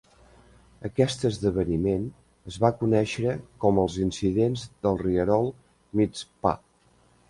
Aquest esdeveniment es va conèixer com els incidents del rierol Mizpah.